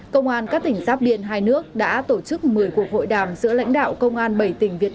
công an các tỉnh giáp biên hai nước đã tổ chức một mươi cuộc hội đàm giữa lãnh đạo công an bảy tỉnh việt